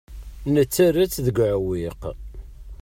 Nettarra-tt deg uɛewwiq.